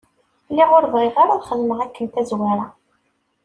Lliɣ ur bɣiɣ ara ad xedmeɣ akken tazwara.